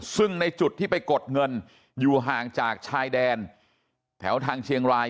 ซึ่งในจุดที่ไปกดเงินอยู่ห่างจากชายแดนแถวทางเชียงราย